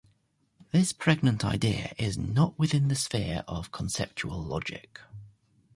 This pregnant idea is not within the sphere of conceptual logic